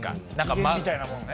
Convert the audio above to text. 機嫌みたいなものね。